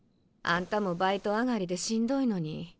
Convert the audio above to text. あんたもバイト上がりでしんどいのに。